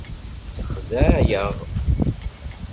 Texdeɛ-aɣ.